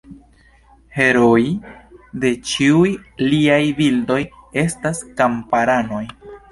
Herooj de ĉiuj liaj bildoj estas kamparanoj.